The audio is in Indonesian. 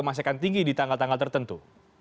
masih akan tinggi di tanggal tanggal tertentu